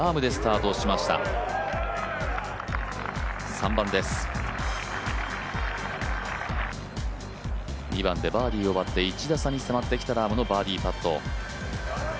３番です、２番でバーディーを奪って１打差に迫ってきたラームのバーディーパット。